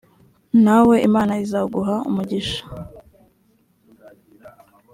nawe imana izaguha umugisha